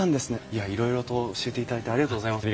いやいろいろと教えていただいてありがとうございます。